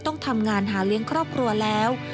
ต้องทำงานหาเลี้ยงครอบครัวแล้ว